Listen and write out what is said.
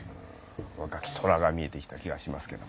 若き虎が見えてきた気がしますけども。